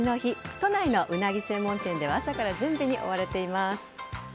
都内のウナギ専門店では朝から準備に追われています。